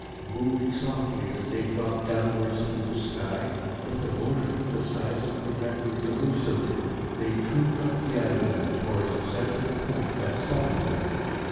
Booming softly as they dropped downwards through the sky, with a motion the size of them rendered delusive, they trooped up the Avenue towards the central point that summoned them.